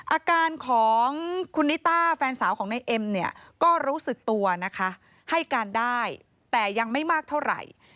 อาการของคุณนิต้าแฟนสาวของในเอ็มเนี่ยก็รู้สึกตัวนะคะให้การได้แต่ยังไม่มากเท่าไหร่